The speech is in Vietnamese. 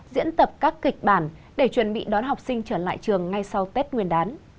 diễn tập các kịch bản để chuẩn bị đón học sinh trở lại trường ngay sau tết nguyên đán